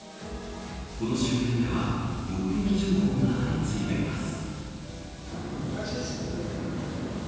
この周辺では目撃情報が相次いでいます。